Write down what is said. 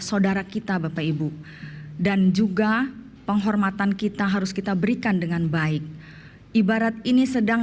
saudara kita bapak ibu dan juga penghormatan kita harus kita berikan dengan baik ibarat ini sedang